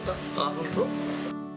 本当？